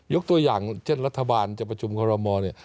ยกตัวอย่างเช่นรัฐบาลจัดประชุมความรอบมองนี่